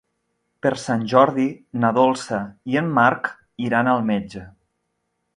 Per Sant Jordi na Dolça i en Marc iran al metge.